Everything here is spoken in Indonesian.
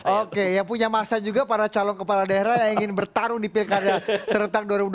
oke yang punya masa juga para calon kepala daerah yang ingin bertarung di pilkada serentak dua ribu dua puluh